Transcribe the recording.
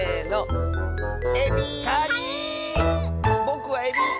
ぼくはえび！